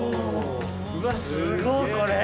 うわすごいこれ。